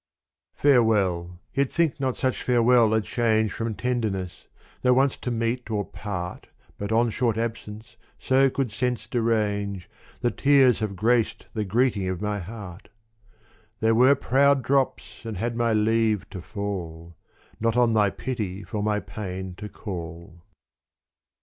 Farewell, yet think not such farewell a change From tenderness, though once to meet or part But on short absence so could sense derange That tears have graced the greeting of my heart : They were proud drops and had my leave to fall Not on thy pity for my pain to call.